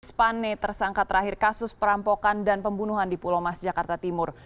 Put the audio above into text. spane tersangka terakhir kasus perampokan dan pembunuhan di pulau mas jakarta timur